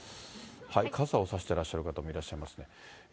傘を差してらっしゃる方もいらっしゃいます。